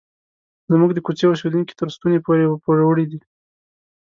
زموږ د کوڅې اوسیدونکي تر ستوني پورې پوروړي دي.